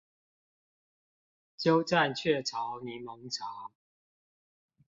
鳩佔雀巢檸檬茶